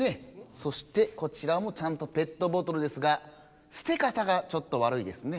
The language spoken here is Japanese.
そしてこちらもちゃんとペットボトルですが捨て方がちょっとわるいですね。